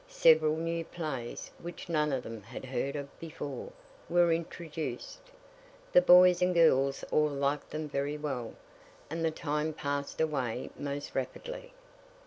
Several new plays, which none of them had heard of before, were introduced. The boys and girls all liked them very well, and the time passed away most rapidly.